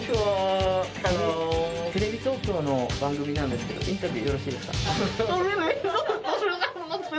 テレビ東京の番組なんですけどインタビューよろしいですか？